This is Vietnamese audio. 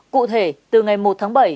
cụ thể từ ngày một tháng bảy